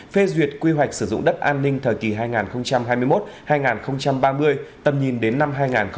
phê duyệt quy hoạch sử dụng đất an ninh thời kỳ hai nghìn hai mươi một hai nghìn ba mươi tầm nhìn đến năm hai nghìn năm mươi